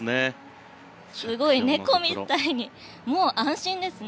すごく猫みたいに本当に安心ですね。